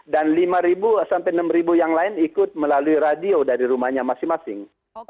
dan lima sampai enam yang lain ikut melalui radio dari rumahnya masing masing